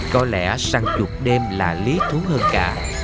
có lẽ săn chuột đêm là lý thú hơn cả